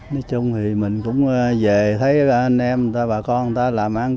nói chung thì mình cũng về thấy anh em bà con ta làm ăn